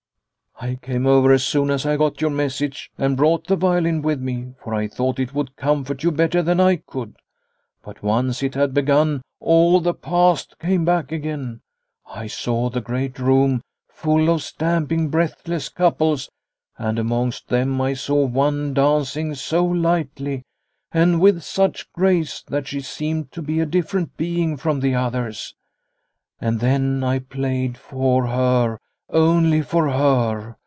" I came over as soon as I got your message, and brought the violin with me, for I thought it would comfort you better than I could. But once it had begun, all the past came back again. I saw the great room, full of stamping, breathless couples, and amongst them I saw one dancing so lightly, and with such grace, that she seemed to be a different being from the others. And then I played for her only for her.